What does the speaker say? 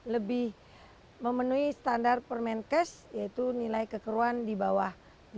lebih memenuhi standar permenkes yaitu nilai kekeruan di bawah